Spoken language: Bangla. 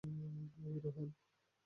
আমি, রেহান।